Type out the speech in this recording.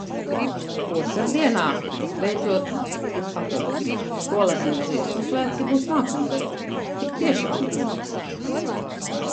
Otrdienā tas beidzot ir pateikts, skolēnu dziesmu svētki būs nākamgad. Tik tiešām būs?